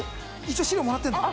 一応資料もらってるの。